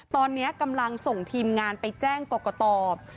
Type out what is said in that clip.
ตอนนี้กำลังส่งทีมงานไปแจ้งกรกต